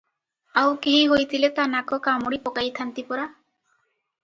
ଆଉ କେହି ହୋଇଥିଲେ ତା ନାକ କାମୁଡ଼ି ପକାଇଥାନ୍ତି ପରା?